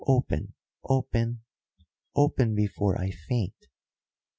Open, open, open, before I faint."